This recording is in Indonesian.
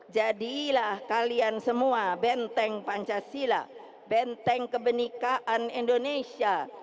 jadilah kalian semua benteng pancasila benteng kebenikaan indonesia